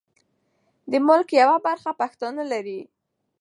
د ملک یوه برخه پښتانه لري.